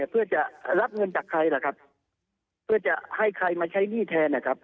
เพื่อจะรับเงินจากใครล่ะครับเพื่อจะให้ใครมาใช้หนี้แทนนะครับ